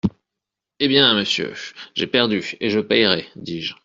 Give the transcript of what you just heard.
Eh bien, monsieur, j'ai perdu et je payerai, dis-je.